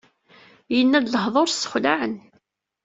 Yenna-d lehdur sexlaɛen.